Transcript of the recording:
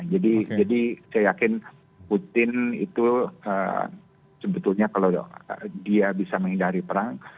jadi saya yakin putin itu sebetulnya kalau dia bisa menghindari perang